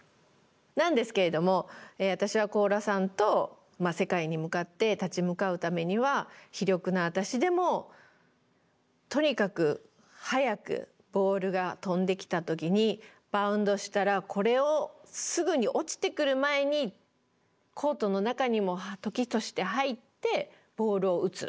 なんですけれども私は小浦さんと世界に向かって立ち向かうためには非力な私でもとにかく早くボールが飛んできた時にバウンドしたらこれをすぐに落ちてくる前にコートの中にも時として入ってボールを打つ。